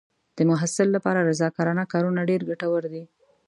د محصل لپاره رضاکارانه کارونه ډېر ګټور دي.